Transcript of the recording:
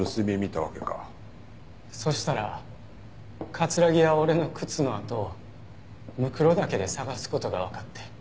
そしたら木や俺の靴の跡を骸岳で捜す事がわかって。